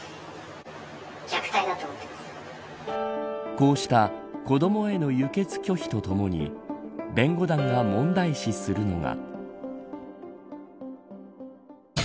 こうした子どもへの輸血拒否とともに弁護団が問題視するのが。